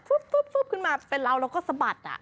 ฟุ๊บขึ้นมาเป็นเราแล้วก็สะบัด